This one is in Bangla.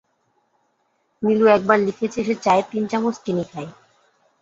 নীলু একবার লিখেছে সে চায়ে তিন চামচ চিনি খায়।